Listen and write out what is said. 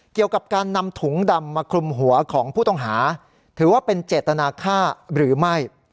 เกี่ยวกับการนำถุงดำมาคลุมหัวของผู้ต้องหาถือว่าเป็นเจตนาค่าหรือไม่